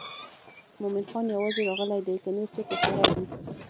مومن خان یوازې راغلی دی که نور څوک ورسره دي.